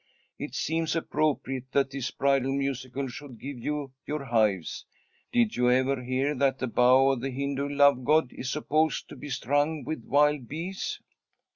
It seems appropriate that this bridal musicale should give you your hives. Did you ever hear that the bow of the Hindu love god is supposed to be strung with wild bees?"